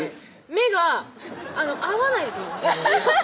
目が合わないですもん